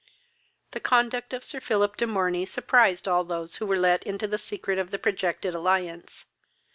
The conduct of Sir Philip de Morney surprised all those who were let into the secret of the projected alliance.